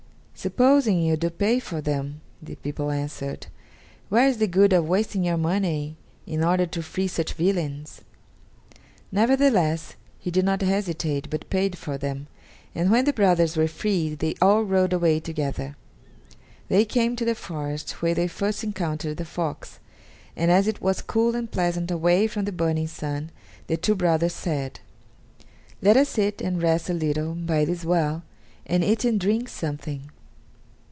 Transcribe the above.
"Supposing you do pay for them," the people answered, "where is the good of wasting your money in order to free such villains?" Nevertheless, he did not hesitate, but paid for them, and when the brothers were freed they all rode away together. They came to the forest where they first encountered the fox, and as it was cool and pleasant away from the burning sun, the two brothers said: "Let us sit and rest a little by this well, and eat and drink something."